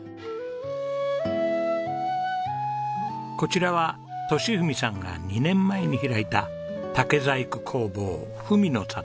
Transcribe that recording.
こちらは利文さんが２年前に開いた竹細工工房文の郷です。